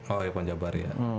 oh ya pak jabar ya